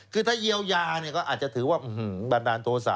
คือถ้าเยียวยาเนี่ยก็อาจจะถือว่าบันดาลโทษะ